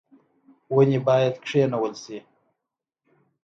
ونې باید کینول شي